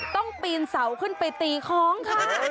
ต้องปีนเสาขึ้นไปตีของค่ะ